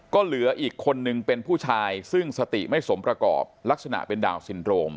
ก็เหลืออีกคนนึงเป็นผู้ชายซึ่งสติไม่สมประกอบลักษณะเป็นดาวนซินโรม